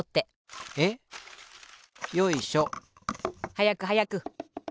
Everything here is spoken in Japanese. はやくはやく。